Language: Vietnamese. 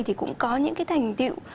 thì cũng có những cái thành tiệu